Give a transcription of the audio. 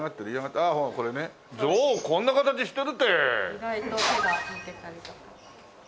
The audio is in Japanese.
意外と手が似てたりとか。